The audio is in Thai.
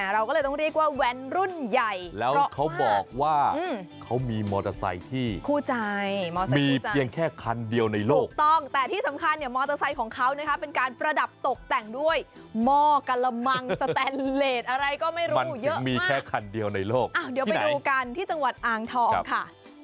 เราก็เลยต้องเรียกว่าแว้นรุ่นใหญ่แล้วเขาบอกว่าเขามีมอเตอร์ไซค์ที่คู่ใจมีเพียงแค่คันเดียวในโลกถูกต้องแต่ที่สำคัญเนี่ยมอเตอร์ไซค์ของเขานะคะเป็นการประดับตกแต่งด้วยหม้อกะละมังสแตนเลสอะไรก็ไม่รู้เยอะมีแค่คันเดียวในโลกเดี๋ยวไปดูกันที่จังหวัดอ่างทองค่ะ